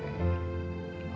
kamu kan capek